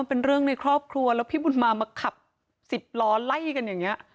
เป็นเรื่องในครอบครัวแล้วพี่บุญมามาขับสิบล้อไล่กันอย่างนี้